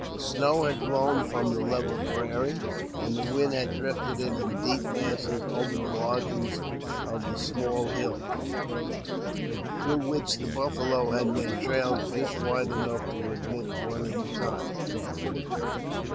The snow had blown from the level prairie, and the wind had drifted it in deep masses over the margins of the small hills, through which the buffalo had made trails just wide enough to admit one at a time.